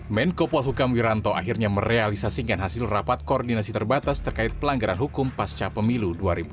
menko polhukam wiranto akhirnya merealisasikan hasil rapat koordinasi terbatas terkait pelanggaran hukum pasca pemilu dua ribu dua puluh